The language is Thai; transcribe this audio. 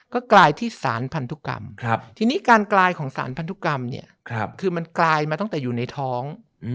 ก็กลายที่สารพันธุกรรมทีนี้การกลายของสารพันธุกรรมเนี่ยคือมันกลายมาตั้งแต่อยู่ในท้อง